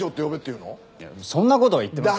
いやそんな事は言ってません。